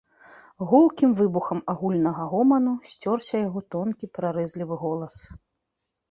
Гулкім выбухам агульнага гоману сцёрся яго тонкі прарэзлівы голас.